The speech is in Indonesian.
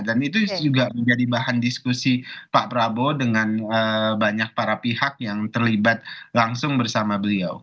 dan itu juga menjadi bahan diskusi pak prabowo dengan banyak para pihak yang terlibat langsung bersama beliau